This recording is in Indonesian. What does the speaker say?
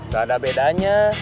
gak ada bedanya